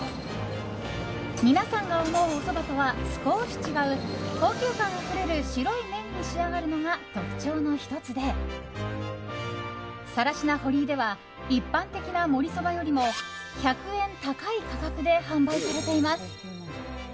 皆さんが思うおそばとは少し違う高級感あふれる白い麺に仕上がるのが特徴の１つで更科堀井では一般的なもりそばよりも１００円高い価格で販売されています。